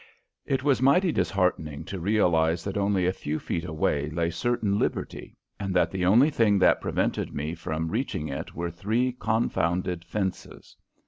It was mighty disheartening to realize that only a few feet away lay certain liberty and that the only thing that prevented me from reaching it were three confounded fences.